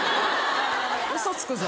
ウソつくぞ。